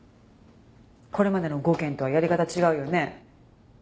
これまでの５件とはやり方違うよね？